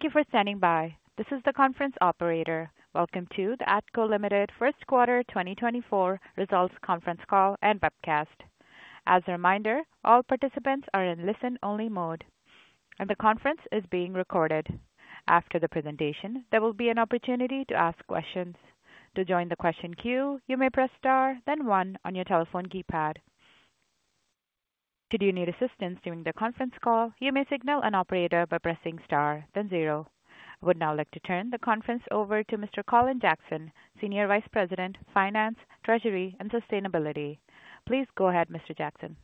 Thank you for standing by. This is the conference operator. Welcome to the ATCO Limited First Quarter 2024 Results Conference Call and Webcast. As a reminder, all participants are in listen-only mode, and the conference is being recorded. After the presentation, there will be an opportunity to ask questions. To join the question queue, you may press Star, then one on your telephone keypad. Should you need assistance during the conference call, you may signal an operator by pressing Star, then zero. I would now like to turn the conference over to Mr. Colin Jackson, Senior Vice President, Finance, Treasury, and Sustainability. Please go ahead, Mr. Jackson.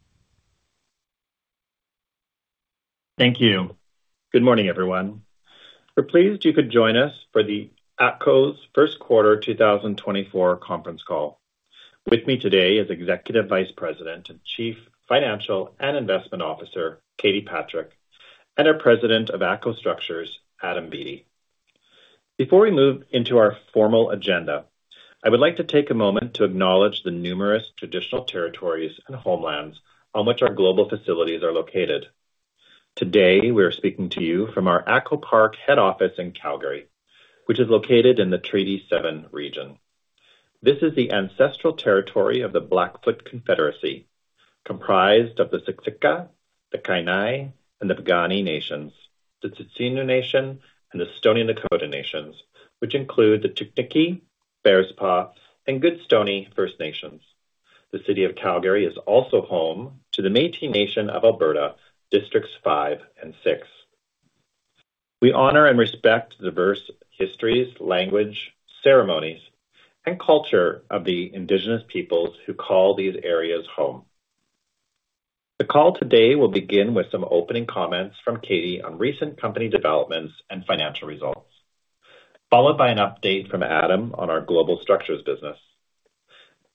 Thank you. Good morning, everyone. We're pleased you could join us for the ATCO's First Quarter 2024 Conference Call. With me today is Executive Vice President and Chief Financial and Investment Officer, Katie Patrick, and our President of ATCO Structures, Adam Beattie. Before we move into our formal agenda, I would like to take a moment to acknowledge the numerous traditional territories and homelands on which our global facilities are located. Today, we are speaking to you from our ATCO Park head office in Calgary, which is located in the Treaty Seven region. This is the ancestral territory of the Blackfoot Confederacy, comprised of the Siksika, the Kainai, and the Piikani nations, the Tsuut'ina Nation, and the Stoney Nakota Nations, which include the Bearspaw and Goodstoney First Nations. The City of Calgary is also home to the Métis Nation of Alberta, Districts Five and Six. We honor and respect the diverse histories, language, ceremonies, and culture of the Indigenous peoples who call these areas home. The call today will begin with some opening comments from Katie on recent company developments and financial results, followed by an update from Adam on our global structures business.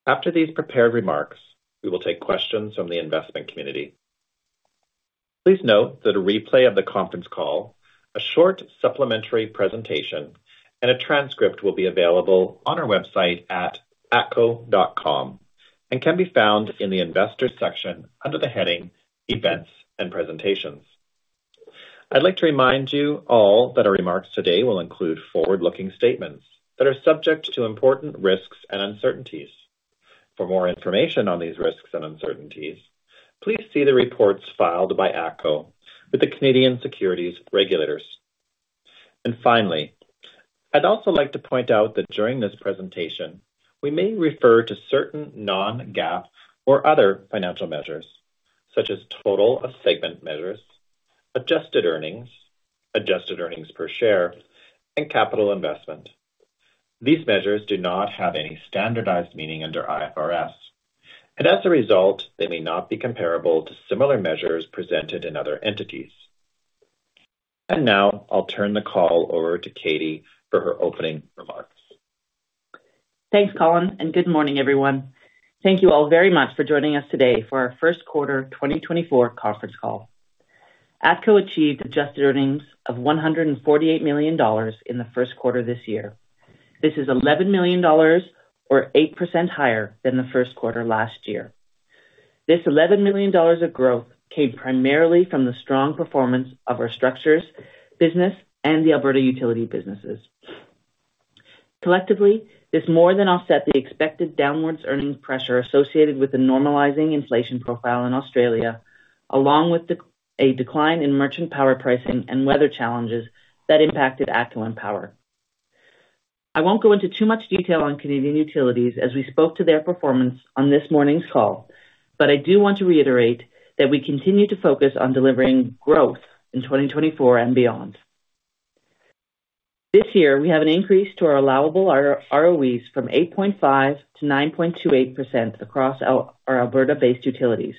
After these prepared remarks, we will take questions from the investment community. Please note that a replay of the conference call, a short supplementary presentation, and a transcript will be available on our website at atco.com and can be found in the Investors section under the heading Events and Presentations. I'd like to remind you all that our remarks today will include forward-looking statements that are subject to important risks and uncertainties. For more information on these risks and uncertainties, please see the reports filed by ATCO with the Canadian Securities Regulators. And finally, I'd also like to point out that during this presentation, we may refer to certain non-GAAP or other financial measures, such as total of segment measures, adjusted earnings, adjusted earnings per share, and capital investment. These measures do not have any standardized meaning under IFRS, and as a result, they may not be comparable to similar measures presented in other entities. And now I'll turn the call over to Katie for her opening remarks. Thanks, Colin, and good morning, everyone. Thank you all very much for joining us today for our first quarter 2024 conference call. ATCO achieved adjusted earnings of 148 million dollars in the first quarter this year. This is 11 million dollars or 8% higher than the first quarter last year. This 11 million dollars of growth came primarily from the strong performance of our Structures business and the Alberta utility businesses. Collectively, this more than offset the expected downward earnings pressure associated with the normalizing inflation profile in Australia, along with a decline in merchant power pricing and weather challenges that impacted ATCO EnPower. I won't go into too much detail on Canadian Utilities as we spoke to their performance on this morning's call, but I do want to reiterate that we continue to focus on delivering growth in 2024 and beyond. This year, we have an increase to our allowable ROEs from 8.5% to 9.28% across our Alberta-based utilities.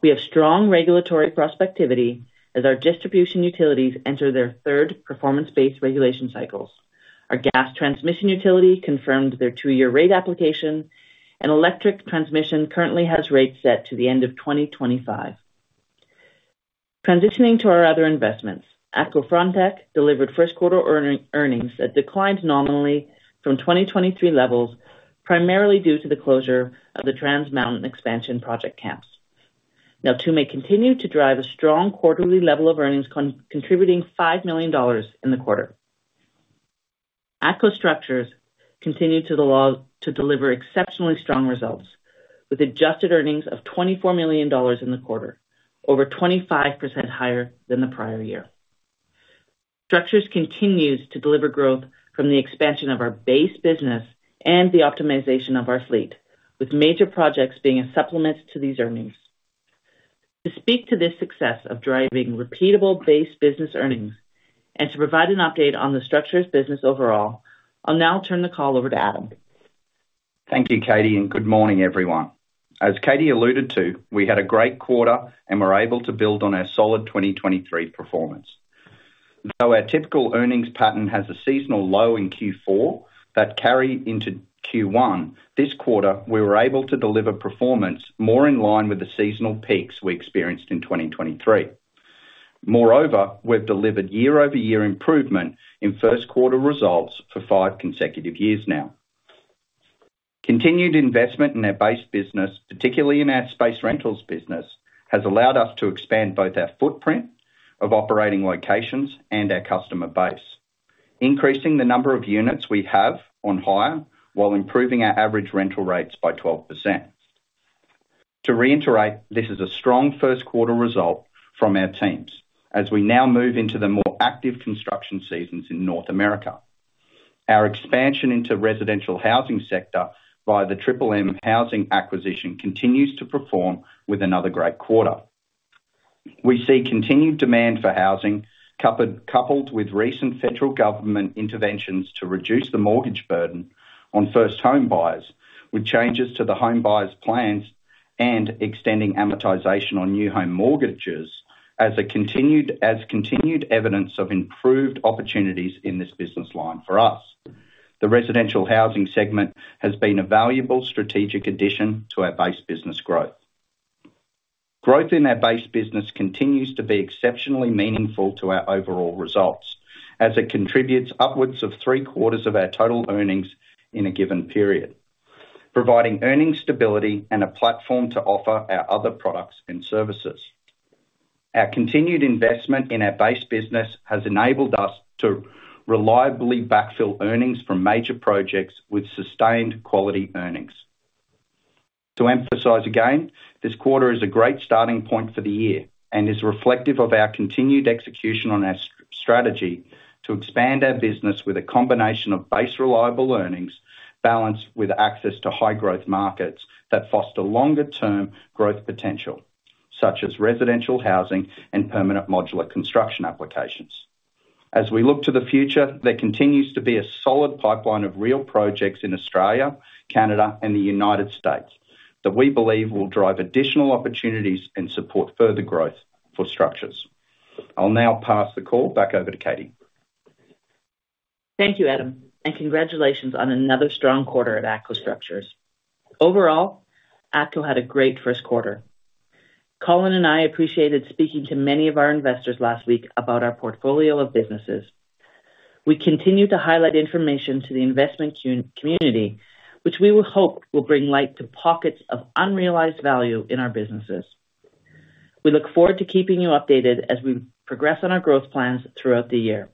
We have strong regulatory prospectivity as our distribution utilities enter their third performance-based regulation cycles. Our gas transmission utility confirmed their 2-year rate application, and electric transmission currently has rates set to the end of 2025. Transitioning to our other investments, ATCO Frontec delivered first-quarter earnings that declined nominally from 2023 levels, primarily due to the closure of the Trans Mountain expansion project camps. Nasittuq may continue to drive a strong quarterly level of earnings, contributing 5 million dollars in the quarter. ATCO Structures continued to deliver exceptionally strong results, with adjusted earnings of 24 million dollars in the quarter, over 25% higher than the prior year. Structures continues to deliver growth from the expansion of our base business and the optimization of our fleet, with major projects being a supplement to these earnings. To speak to this success of driving repeatable base business earnings and to provide an update on the structures business overall, I'll now turn the call over to Adam. Thank you, Katie, and good morning, everyone. As Katie alluded to, we had a great quarter and were able to build on our solid 2023 performance. Though our typical earnings pattern has a seasonal low in Q4 that carry into Q1, this quarter, we were able to deliver performance more in line with the seasonal peaks we experienced in 2023. Moreover, we've delivered year-over-year improvement in first quarter results for five consecutive years now. Continued investment in our base business, particularly in our space rentals business, has allowed us to expand both our footprint of operating locations and our customer base, increasing the number of units we have on hire while improving our average rental rates by 12%. To reiterate, this is a strong first quarter result from our teams as we now move into the more active construction seasons in North America. Our expansion into residential housing sector via the Triple M Housing acquisition continues to perform with another great quarter. We see continued demand for housing, coupled with recent federal government interventions to reduce the mortgage burden on first home buyers, with changes to the Home Buyers' Plan and extending amortization on new home mortgages as continued evidence of improved opportunities in this business line for us. The residential housing segment has been a valuable strategic addition to our base business growth. Growth in our base business continues to be exceptionally meaningful to our overall results, as it contributes upwards of three quarters of our total earnings in a given period, providing earnings stability and a platform to offer our other products and services. Our continued investment in our base business has enabled us to reliably backfill earnings from major projects with sustained quality earnings. To emphasize again, this quarter is a great starting point for the year and is reflective of our continued execution on our strategy to expand our business with a combination of base reliable earnings, balanced with access to high growth markets that foster longer term growth potential, such as residential housing and permanent modular construction applications. As we look to the future, there continues to be a solid pipeline of real projects in Australia, Canada, and the United States, that we believe will drive additional opportunities and support further growth for structures. I'll now pass the call back over to Katie. Thank you, Adam, and congratulations on another strong quarter at ATCO Structures. Overall, ATCO had a great first quarter. Colin and I appreciated speaking to many of our investors last week about our portfolio of businesses. We continue to highlight information to the investment community, which we would hope will bring light to pockets of unrealized value in our businesses. We look forward to keeping you updated as we progress on our growth plans throughout the year.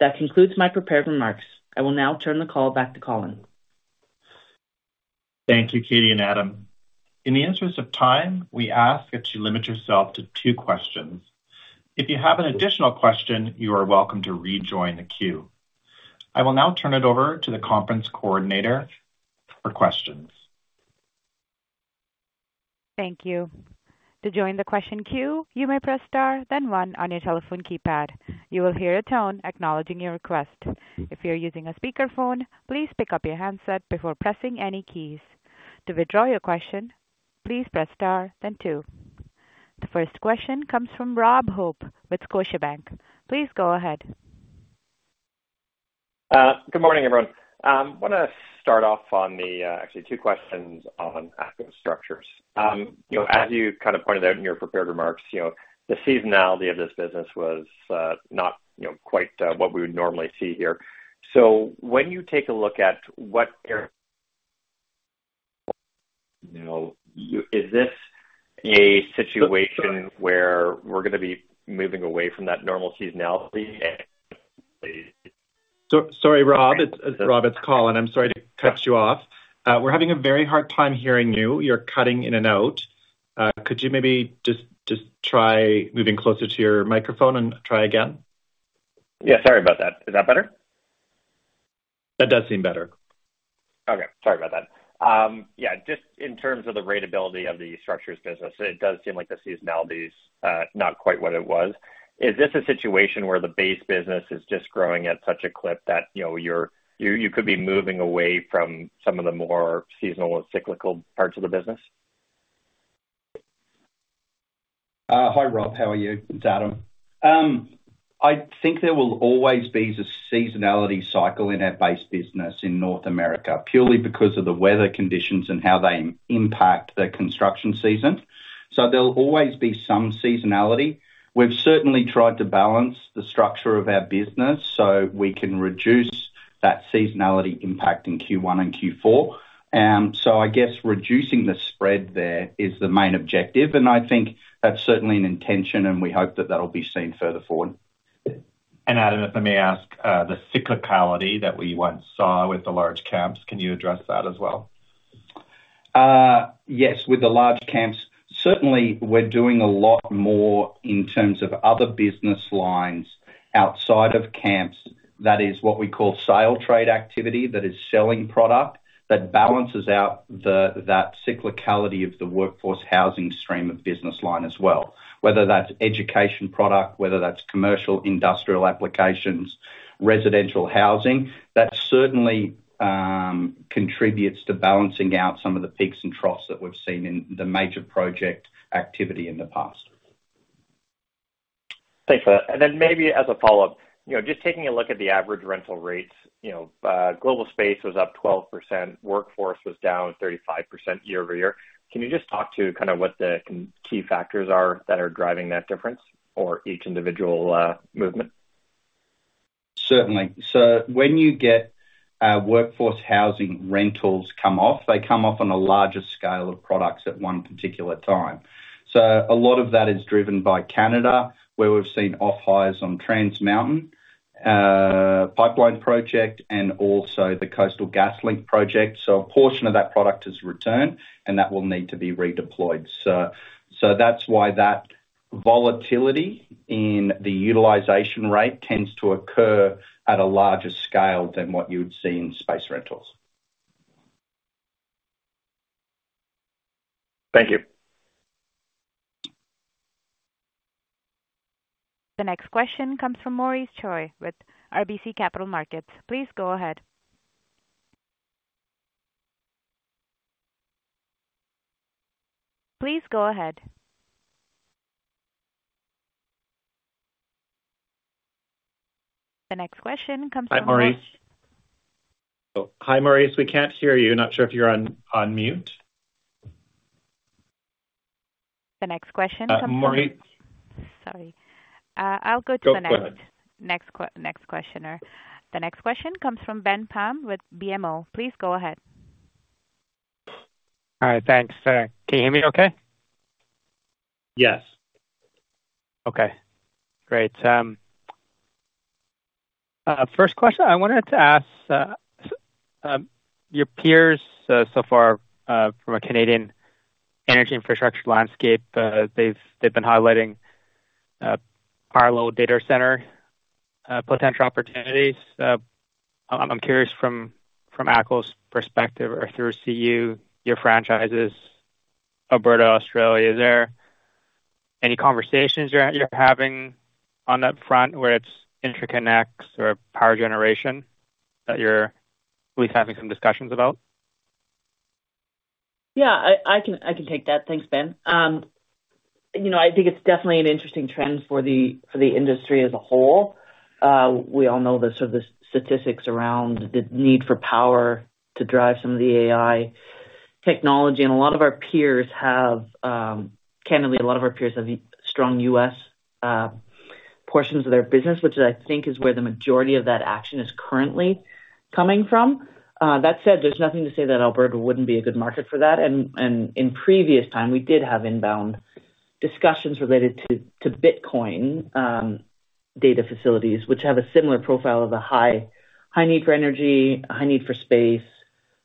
That concludes my prepared remarks. I will now turn the call back to Colin. Thank you, Katie and Adam. In the interest of time, we ask that you limit yourself to two questions. If you have an additional question, you are welcome to rejoin the queue. I will now turn it over to the conference coordinator for questions. Thank you. To join the question queue, you may press star, then one on your telephone keypad. You will hear a tone acknowledging your request. If you're using a speakerphone, please pick up your handset before pressing any keys. To withdraw your question, please press star then two. The first question comes from Rob Hope with Scotiabank. Please go ahead. Good morning, everyone. I wanna start off on the, actually two questions on ATCO Structures. You know, as you kind of pointed out in your prepared remarks, you know, the seasonality of this business was, not, you know, quite, what we would normally see here. So when you take a look at what your... You know, is this a situation where we're gonna be moving away from that normal seasonality? Sorry, Rob. It's Rob, it's Colin. I'm sorry to cut you off. We're having a very hard time hearing you. You're cutting in and out. Could you maybe just try moving closer to your microphone and try again? Yeah, sorry about that. Is that better? That does seem better. Okay. Sorry about that. Yeah, just in terms of the ratability of the Structures business, it does seem like the seasonality is not quite what it was. Is this a situation where the base business is just growing at such a clip that, you know, you're, you, you could be moving away from some of the more seasonal and cyclical parts of the business? Hi, Rob. How are you? It's Adam. I think there will always be the seasonality cycle in our base business in North America, purely because of the weather conditions and how they impact the construction season. There'll always be some seasonality. We've certainly tried to balance the structure of our business so we can reduce that seasonality impact in Q1 and Q4. I guess reducing the spread there is the main objective, and I think that's certainly an intention, and we hope that that'll be seen further forward. Adam, if I may ask, the cyclicality that we once saw with the large camps, can you address that as well? Yes, with the large camps. Certainly, we're doing a lot more in terms of other business lines outside of camps. That is what we call trade sale activity, that is selling product, that balances out the, that cyclicality of the workforce housing stream of business line as well. Whether that's education product, whether that's commercial, industrial applications, residential housing, that certainly contributes to balancing out some of the peaks and troughs that we've seen in the major project activity in the past. Thanks for that. And then maybe as a follow-up, you know, just taking a look at the average rental rates, you know, global space was up 12%, workforce was down 35% year-over-year. Can you just talk to kind of what the key factors are that are driving that difference or each individual movement? ...Certainly. So when you get, workforce housing rentals come off, they come off on a larger scale of products at one particular time. So a lot of that is driven by Canada, where we've seen off-hires on Trans Mountain, pipeline project and also the Coastal GasLink project. So a portion of that product is returned and that will need to be redeployed. So, so that's why that volatility in the utilization rate tends to occur at a larger scale than what you would see in space rentals. Thank you. The next question comes from Maurice Choy with RBC Capital Markets. Please go ahead. Please go ahead. The next question comes from- Hi, Maurice. Hi, Maurice. We can't hear you. Not sure if you're on, on mute. The next question- Maurice? Sorry. I'll go to the next- Go ahead. Next questioner. The next question comes from Ben Pham with BMO. Please go ahead. Hi, thanks. Can you hear me okay? Yes. Okay, great. First question, I wanted to ask your peers, so far, from a Canadian energy infrastructure landscape, they've been highlighting parallel data center potential opportunities. I'm curious from ATCO's perspective or through CU, your franchises, Alberta, Australia, is there any conversations you're having on that front, where it's interconnects or power generation that you're at least having some discussions about? Yeah, I can take that. Thanks, Ben. You know, I think it's definitely an interesting trend for the industry as a whole. We all know the sort of statistics around the need for power to drive some of the AI technology. And a lot of our peers have. Candidly, a lot of our peers have strong U.S. portions of their business, which I think is where the majority of that action is currently coming from. That said, there's nothing to say that Alberta wouldn't be a good market for that, and in previous time, we did have inbound discussions related to Bitcoin data facilities, which have a similar profile of a high need for energy, a high need for space,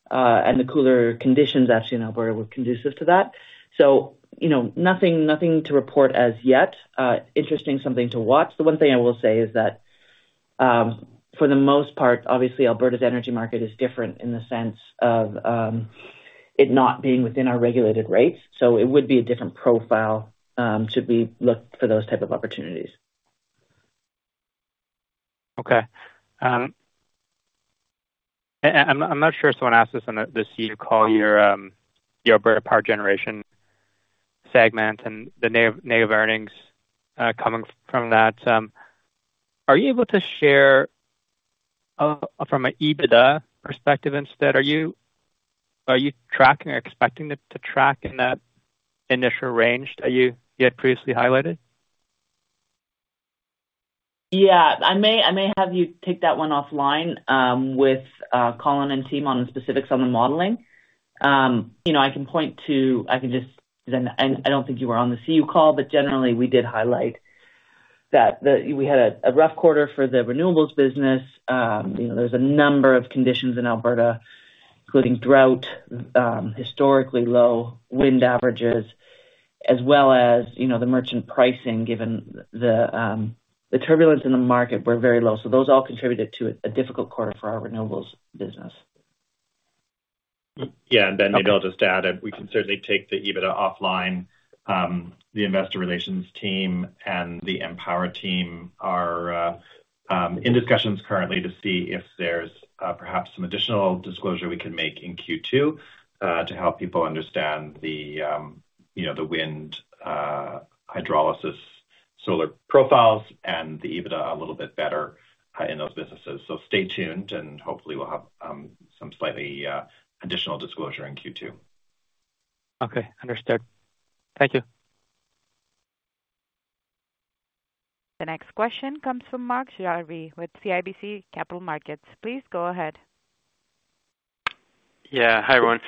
and the cooler conditions, actually, in Alberta were conducive to that. So, you know, nothing, nothing to report as yet. Interesting, something to watch. The one thing I will say is that, for the most part, obviously, Alberta's energy market is different in the sense of, it not being within our regulated rates, so it would be a different profile, should we look for those type of opportunities. Okay. And I'm not sure if someone asked this on this CU call, your, your Alberta power generation segment and the negative earnings coming from that, are you able to share, from an EBITDA perspective instead, are you, are you tracking or expecting it to track in that initial range that you, you had previously highlighted? Yeah. I may, I may have you take that one offline, with Colin and team on the specifics on the modeling. You know, I can point to... I can just-- and I don't think you were on the CU call, but generally, we did highlight that, that we had a, a rough quarter for the renewables business. You know, there's a number of conditions in Alberta, including drought, historically low wind averages, as well as, you know, the merchant pricing, given the, the turbulence in the market were very low. So those all contributed to a difficult quarter for our renewables business. Yeah, and then, maybe I'll just add, we can certainly take the EBITDA offline. The investor relations team and the EnPower team are in discussions currently to see if there's perhaps some additional disclosure we can make in Q2 to help people understand the, you know, the wind, hydrology, solar profiles and the EBITDA a little bit better in those businesses. So stay tuned, and hopefully we'll have some slightly additional disclosure in Q2. Okay, understood. Thank you. The next question comes from Mark Jarvi with CIBC Capital Markets. Please go ahead. Yeah. Hi, everyone.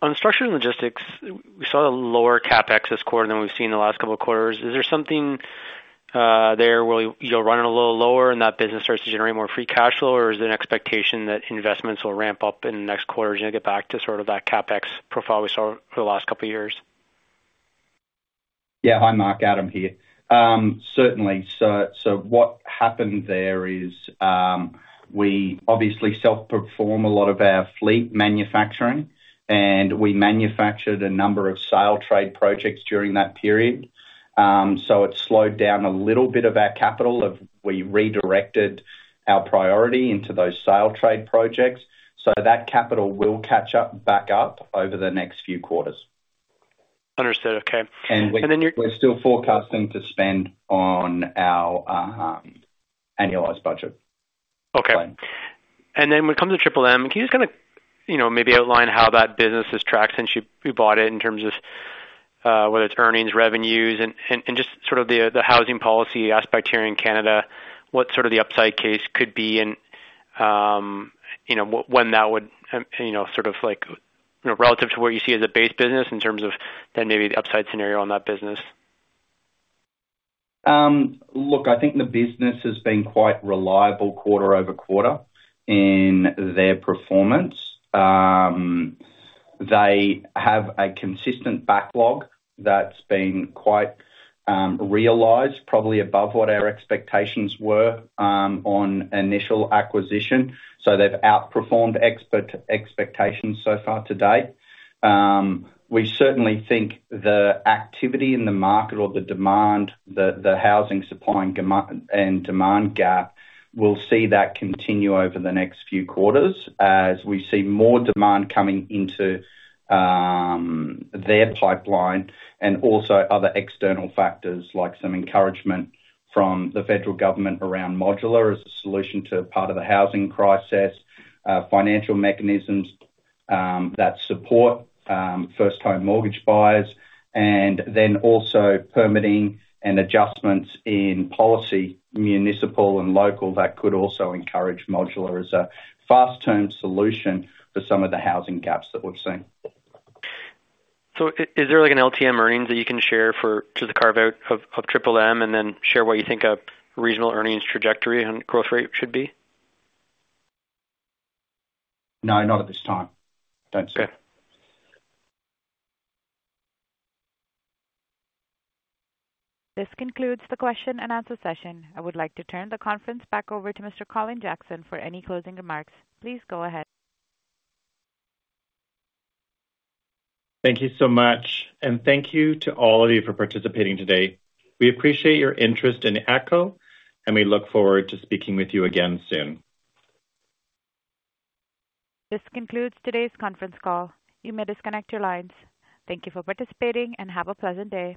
On structure and logistics, we saw a lower CapEx this quarter than we've seen in the last couple of quarters. Is there something, there where you're running a little lower and that business starts to generate more free cash flow? Or is it an expectation that investments will ramp up in the next quarter as you get back to sort of that CapEx profile we saw for the last couple of years? Yeah. Hi, Mark, Adam here. Certainly. So, what happened there is, we obviously self-perform a lot of our fleet manufacturing, and we manufactured a number of sale trade projects during that period. So, it slowed down a little bit of our capital of we redirected our priority into those sale trade projects, so that capital will catch up, back up over the next few quarters. Understood. Okay. And then your- We're still forecasting to spend on our annualized budget.... Okay. And then when it comes to Triple M, can you just kind of, you know, maybe outline how that business has tracked since you bought it in terms of whether it's earnings, revenues, and just sort of the housing policy aspect here in Canada, what sort of the upside case could be and, you know, when that would, you know, sort of like, you know, relative to what you see as a base business in terms of then maybe the upside scenario on that business? Look, I think the business has been quite reliable quarter-over-quarter in their performance. They have a consistent backlog that's been quite realized, probably above what our expectations were on initial acquisition. So they've outperformed expert expectations so far to date. We certainly think the activity in the market or the demand, the housing supply and demand gap, we'll see that continue over the next few quarters as we see more demand coming into their pipeline, and also other external factors, like some encouragement from the federal government around modular as a solution to part of the housing crisis, financial mechanisms that support first-time mortgage buyers, and then also permitting and adjustments in policy, municipal and local, that could also encourage modular as a fast-term solution for some of the housing gaps that we've seen. So, is there, like, an LTM earnings that you can share for the carve-out of Triple M, and then share what you think a regional earnings trajectory and growth rate should be? No, not at this time. Don't see. This concludes the question and answer session. I would like to turn the conference back over to Mr. Colin Jackson for any closing remarks. Please go ahead. Thank you so much, and thank you to all of you for participating today. We appreciate your interest in ATCO, and we look forward to speaking with you again soon. This concludes today's conference call. You may disconnect your lines. Thank you for participating, and have a pleasant day.